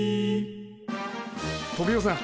トビオさん